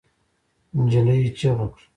نجلۍ چیغه کړه.